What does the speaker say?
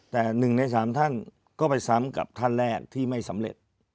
แต่๑ใน๓ท่านก็ไปซ้ำกับท่านแรกที่ไม่สำเร็จ